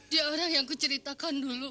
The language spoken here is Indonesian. dia orang yang kuceritakan dulu